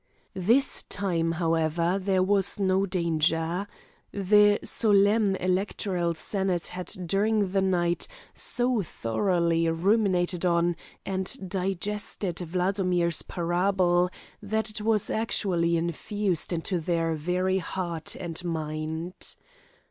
This time, however, there was no danger. The solemn electoral senate had during the night so thoroughly ruminated on, and digested Wladomir's parable, that it was actually infused into their very heart and mind.